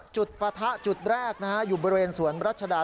ปะทะจุดแรกอยู่บริเวณสวนรัชดา